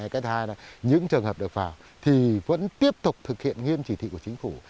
cái thứ hai là những trường hợp được vào thì vẫn tiếp tục thực hiện nghiêm chỉ thị của chính phủ